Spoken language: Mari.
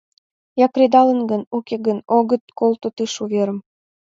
Я кредалын гын, уке гын, Огыт колто тыш уверым.